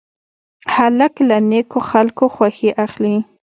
هلک له نیکو خلکو خوښي اخلي.